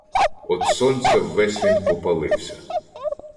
Од сонця ввесь він попалився